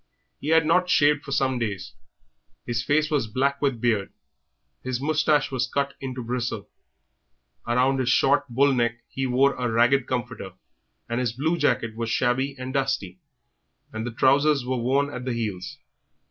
He had not shaved for some days, his face was black with beard; his moustache was cut into bristle; around his short, bull neck he wore a ragged comforter, and his blue jacket was shabby and dusty, and the trousers were worn at the heels.